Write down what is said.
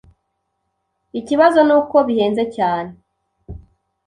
Ikibazo nuko bihenze cyane.